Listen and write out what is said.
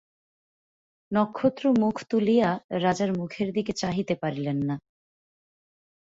নক্ষত্র মুখ তুলিয়া রাজার মুখের দিকে চাহিতে পারিলেন না।